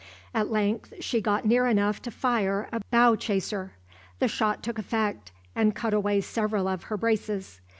At length she got near enough to fire a bow chaser. The shot took effect, and cut away several of her braces.